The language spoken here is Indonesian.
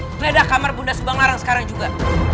meledak kamar bunda subanglarang sekarang juga